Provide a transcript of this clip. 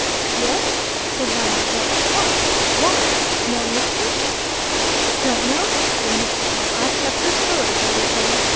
"Yes?" said Viner. "But what why? More mystery?" "Don't know," said Mr. Pawle. "I've kept her story till you came.